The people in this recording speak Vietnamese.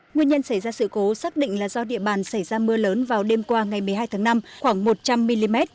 nguyên nhân xảy ra sự cố xác định là do địa bàn xảy ra mưa lớn vào đêm qua ngày một mươi hai tháng năm khoảng một trăm linh mm